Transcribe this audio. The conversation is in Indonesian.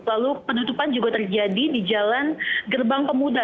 lalu penutupan juga terjadi di jalan gerbang pemuda